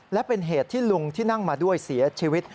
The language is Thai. และเป็นเหตุที่ลุงที่นั่งมาด้วยเสียชีวิต